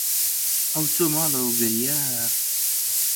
ئەو چووەوە ماڵەوە و گریا.